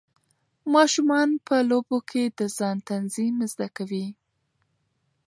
ماشومان په لوبو کې د ځان تنظیم زده کوي.